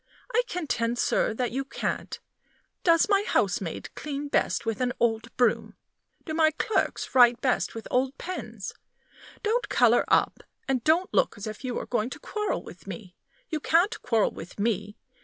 I contend, sir, that you can't. Does my housemaid clean best with an old broom? Do my clerks write best with old pens? Don't color up, and don't look as if you were going to quarrel with me! You can't quarrel with me.